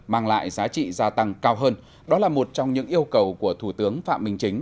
mang lại giá trị gia tăng cao hơn đó là một trong những yêu cầu của thủ tướng phạm minh chính